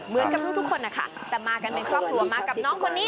เหมือนกับลูกทุกคนนะคะแต่มากันเป็นครอบครัวมากับน้องคนนี้